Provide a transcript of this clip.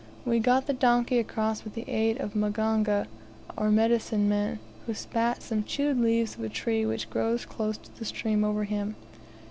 We got the donkey across with the aid of a mganga, or medicine man, who spat some chewed leaves of a tree which grows close to the stream over him.